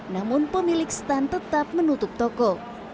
namun pemilik stand tetap menutup toko